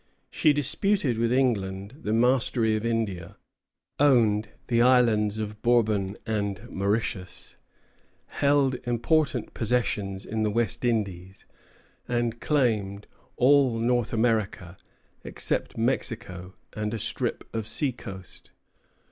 She disputed with England the mastery of India, owned the islands of Bourbon and Mauritius, held important possessions in the West Indies, and claimed all North America except Mexico and a strip of sea coast.